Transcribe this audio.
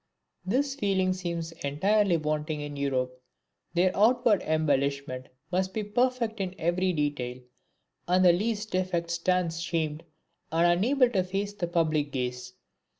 This feeling seems entirely wanting in Europe. There, outward embellishment must be perfect in every detail, and the least defect stands shamed and unable to face the public gaze.